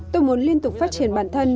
tôi muốn liên tục phát triển bản thân